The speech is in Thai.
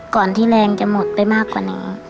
ที่แรงจะหมดไปมากกว่านี้